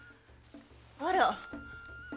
あら。